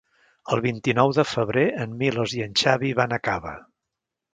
El vint-i-nou de febrer en Milos i en Xavi van a Cava.